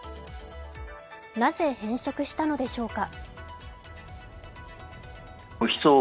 なぜ変色したのでしょうか。